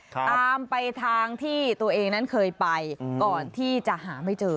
ตามไปทางที่ตัวเองนั้นเคยไปก่อนที่จะหาไม่เจอ